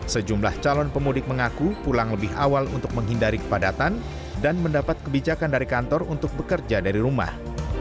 sejumlah calon pemudik mengaku pulang lebih awal untuk menghindari kepadatan dan mendapat kebijakan dari kantor untuk bekerja dari rumah